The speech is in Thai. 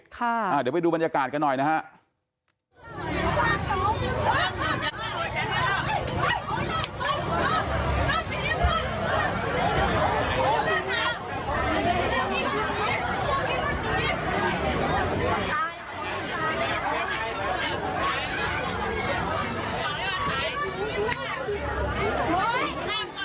เดี๋ยวไปดูบรรยากาศกันหน่อยนะฮะ